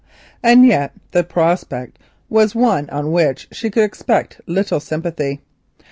And yet the prospect was one on which she could expect little sympathy.